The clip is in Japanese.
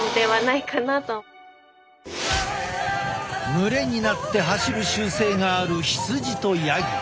群れになって走る習性がある羊とヤギ。